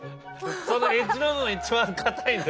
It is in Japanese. そのエッジの部分一番硬いんで。